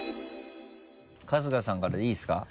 春日さんからでいいですか？